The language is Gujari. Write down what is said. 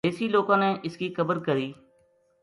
دیسی لوکاں نے اس کی قبر کری